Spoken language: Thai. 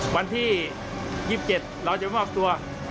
วันที่๒๗เราจะมอบตัว